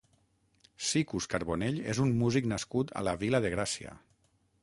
Sicus Carbonell és un músic nascut a la Vila de Gràcia.